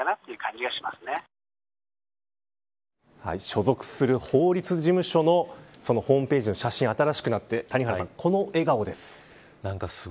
所属する法律事務所のホームぺージの写真新しくなって谷原さん、この笑顔です。